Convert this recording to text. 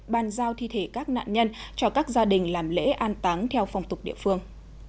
ban giao thi thể các nạn nhân cho các gia đình làm lễ an táng theo phòng tục địa phương